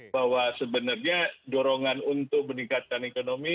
bahwa sebenarnya dorongan untuk meningkatkan ekonomi